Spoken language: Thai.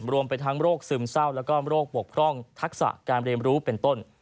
รวมไปทั้งโรคซึมเศร้าแล้วก็โรคปกพร่องทักษะการเรียนรู้เป็นต้น